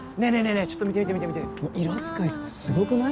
えちょっと見て見て色使いとかすごくない？